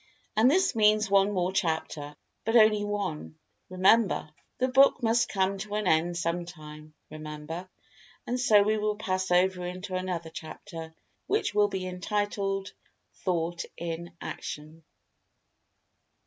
And this means one more chapter—but only one, remember. The book must come to an end sometime remember. And, so we will pass over into another chapter, which will be entitled, "Thought in Action."